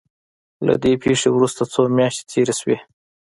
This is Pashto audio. له دې پېښې وروسته څو مياشتې تېرې شوې.